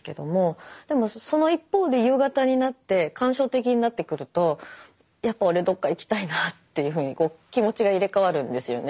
でもその一方で夕方になって感傷的になってくるとやっぱ俺どっか行きたいなというふうに気持ちが入れ代わるんですよね。